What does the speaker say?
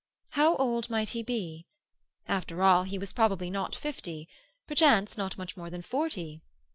How old might he be? After all, he was probably not fifty—perchance not much more than forty.